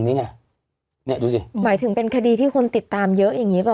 นี่ไงเนี่ยดูสิหมายถึงเป็นคดีที่คนติดตามเยอะอย่างงี่